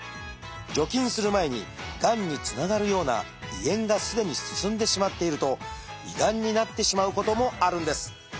除菌する前にがんにつながるような胃炎がすでに進んでしまっていると胃がんになってしまうこともあるんです。